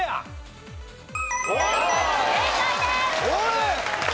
おい！